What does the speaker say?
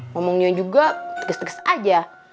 ngomongnya juga teges teges aja